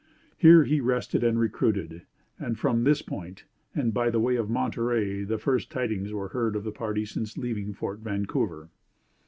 Here he rested and recruited; and from this point, and by way of Monterey, the first tidings were heard of the party since leaving Fort Vancouver.